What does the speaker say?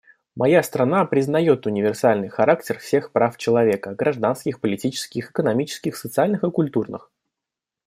Моя страна признает универсальный характер всех прав человека — гражданских, политических, экономических, социальных и культурных.